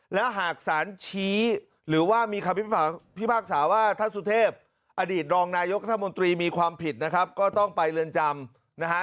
แล้วหากสารชี้หรือว่ามีคำพิพากษาว่าท่านสุเทพอดีตรองนายกรัฐมนตรีมีความผิดนะครับก็ต้องไปเรือนจำนะฮะ